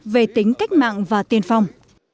về tính cách mạng và tiên phong